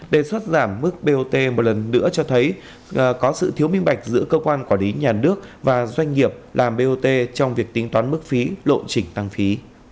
đề xuất giảm mức bot một lần nữa cho thấy có sự thiếu minh bạch giữa cơ quan quản lý nhà nước và doanh nghiệp làm bot trong việc tính toán mức phí lộ chỉnh tăng phí